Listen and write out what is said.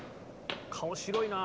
顔白いなあ。